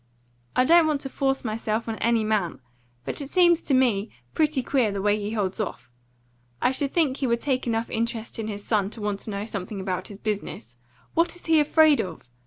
I don't want to force myself on any man; but it seems to me pretty queer the way he holds off. I should think he would take enough interest in his son to want to know something about his business. What is he afraid of?"